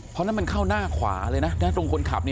เพราะนั่นมันเข้าหน้าขวาเลยนะตรงคนขับ